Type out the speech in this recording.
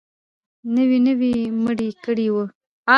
نوې نوي مړي يې کړي وو.